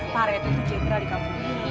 pareto tuh jenderal di kampung ini